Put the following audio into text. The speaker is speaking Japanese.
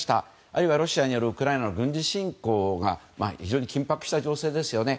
あるいは、ロシアによるウクライナへの軍事侵攻が非常に緊迫した情勢ですよね。